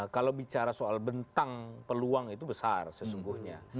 kalau bicara soal bentang peluang itu besar sesungguhnya